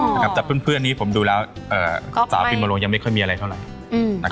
อ๋อนะครับแต่เพื่อนเพื่อนนี้ผมดูแล้วเอ่อก็สาวปริมาโลงยังไม่ค่อยมีอะไรเท่าไหร่